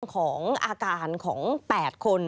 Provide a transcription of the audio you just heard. ของอาการของ๘คน